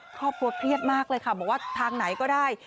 พ่อปวดเพรียบมากเลยค่ะบอกว่าทางไหนก็ได้